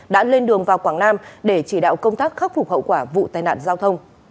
đã lên đường vào quảng nam để chỉ đạo công tác khắc phục hậu quả vụ tai nạn giao thông